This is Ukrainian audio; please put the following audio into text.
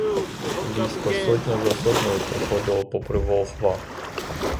Військо сотня за сотнею проходило попри волхва.